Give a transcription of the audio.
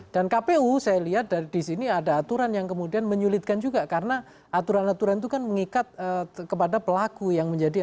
kpu saya lihat dari di sini ada aturan yang kemudian menyulitkan juga karena aturan aturan itu kan mengikat kepada pelaku yang menjadi